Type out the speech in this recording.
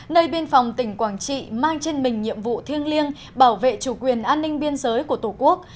nơi biên phòng tỉnh quảng trị mang trên mình nhiệm vụ thiêng liêng bảo vệ chủ quyền an ninh biên giới của tổ quốc